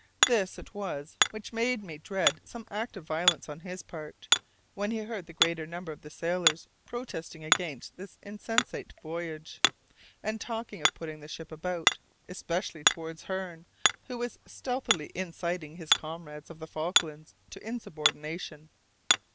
This it was which made me dread some act of violence on his part, when he heard the greater number of the sailors protesting against this insensate voyage, and talking of putting the ship about, especially towards Hearne, who was stealthily inciting his comrades of the Falklands to insubordination.